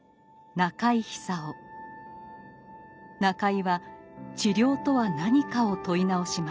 中井は治療とは何かを問い直します。